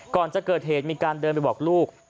ก่อนจะเกิดเหตุมีการเดินไปบอกลูก